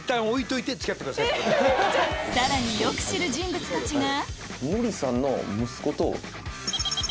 さらによく知る人物たちが！